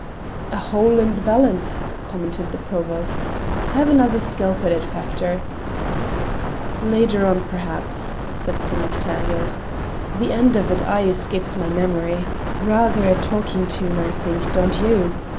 "A hole in the ballant," commented the Provost. "Have another skelp at it, Factor." "Later on perhaps," said Sim MacTaggart. "The end of it aye escapes my memory. Rather a taking tune, I think don't you?